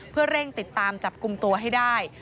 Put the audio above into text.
เพื่อเร่งติดตามจับกลุ่มตัวให้ได้